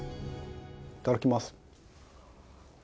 いただきます。